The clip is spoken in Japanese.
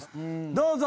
どうぞ。